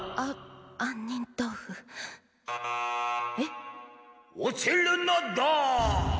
えっ⁉おちるのだ！